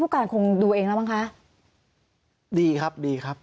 การคงดูเองแล้วมั้งคะดีครับดีครับ